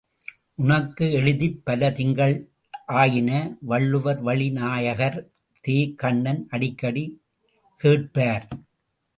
உனக்கு எழுதிப் பல திங்கள்கள் ஆயின வள்ளுவர்வழி நாயகர் தே.கண்ணன் அடிக்கடி கேட்பார்.